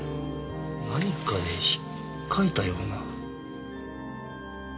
何かでひっかいたような。